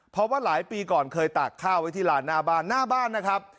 เพราะว่าหลายปีก่อนเคยตากข้าวไว้ที่ลานหน้าบ้านหน้าบ้านนะครับ